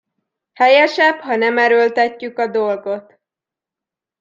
Helyesebb, ha nem erőltetjük a dolgot.